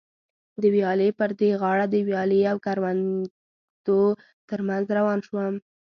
د ویالې پر دې غاړه د ویالې او کروندو تر منځ روان شوم.